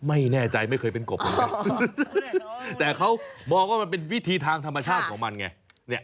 ไม่เคยเป็นกบแต่เขามองว่ามันเป็นวิธีทางธรรมชาติของมันไง